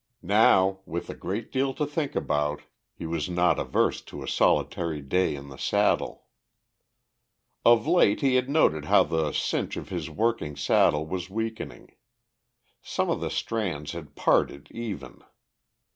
Now, with a great deal to think about, he was not averse to a solitary day in the saddle. Of late he had noted how the cinch of his working saddle was weakening; some of the strands had parted even.